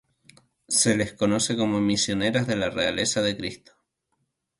Se les conoce como Misioneras de la Realeza de Cristo.